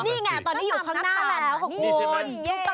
นี่ไงตอนนี้อยู่ข้างหน้าแล้วขอบคุณ